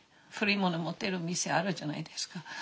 古い物持ってる店あるじゃないですか。